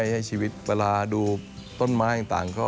ให้ชีวิตเวลาดูต้นไม้ทั้ง